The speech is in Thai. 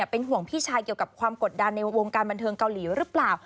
เป็นห่วงพี่ชายเกี่ยวกับความกดดันในวงการบันเทิงเกาหลีหรือเปล่า